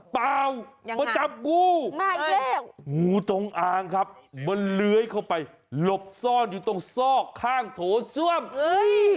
เปล่ามาจับกู้งูตรงอ่างครับมันเลื้อยเข้าไปหลบซ่อนอยู่ตรงซอกข้างโถเชื่อม